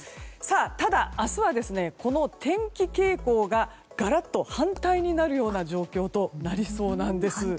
ただ、明日は、この天気傾向がガラッと反対になるような状況となりそうなんです。